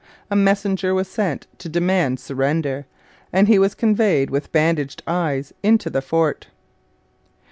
A messenger was sent to demand surrender, and he was conveyed with bandaged eyes into the fort.